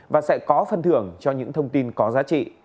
và sẽ có phân thưởng cho những thông tin có giá trị